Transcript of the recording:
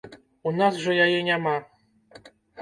У нас жа яе няма.